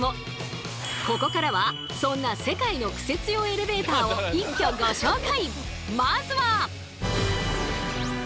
ここからはそんな世界のクセ強エレベーターを一挙ご紹介。